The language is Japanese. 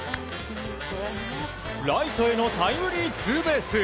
ライトへのタイムリーツーベース。